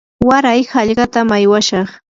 waray hallqatam aywashaq.